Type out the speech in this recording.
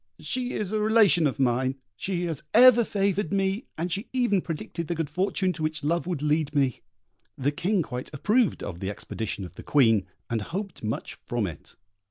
She is a relation of mine; she has ever favoured me, and she even predicted the good fortune to which love would lead me." The King quite approved of the expedition of the Queen, and hoped much from it.